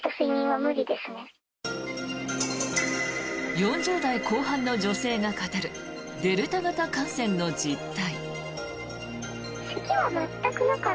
４０代後半の女性が語るデルタ型感染の実態。